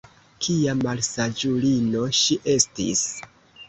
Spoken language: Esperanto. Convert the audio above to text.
kia malsaĝulino ŝi estis!